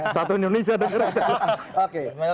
satu indonesia denger